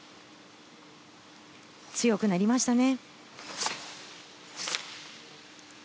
強くなりましたね。